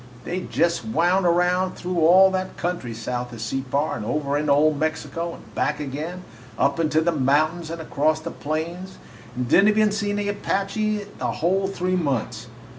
They jest wound around through all that country south of Separ, and over into old Mexico, and back again, and up into the mountains and across the plains, and did n't even see an Apache the whole three months.